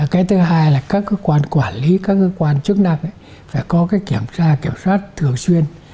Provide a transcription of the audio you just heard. cái thứ hai là các cơ quan quản lý các cơ quan chức năng phải có cái kiểm tra kiểm soát thường xuyên